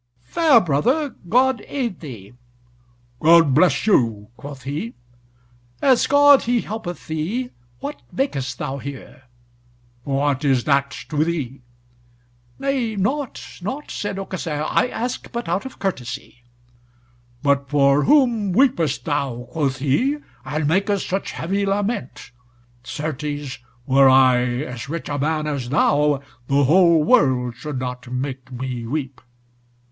"Fair brother, God aid thee." "God bless you," quoth he. "As God he helpeth thee, what makest thou here?" "What is that to thee?" "Nay, naught, naught," saith Aucassin, "I ask but out of courtesy." "But for whom weepest thou," quoth he, "and makest such heavy lament? Certes, were I as rich a man as thou, the whole world should not make me weep."